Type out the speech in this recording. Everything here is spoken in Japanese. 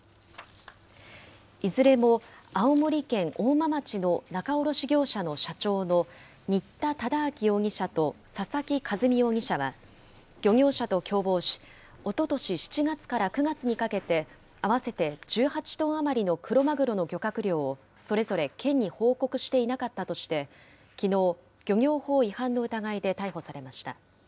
いずれも青森県大間町の仲卸業者の社長の新田忠明容疑者と佐々木一美容疑者は、漁業者と共謀し、おととし７月から９月にかけて、合わせて１８トン余りのクロマグロの漁獲量を、それぞれ県に報告していなかったとして、きのう、漁業法違反の疑いで逮捕されました。